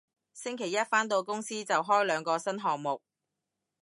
星期一返到公司就開兩個新項目